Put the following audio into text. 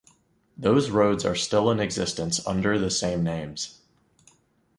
Those roads are still in existence, under the same names.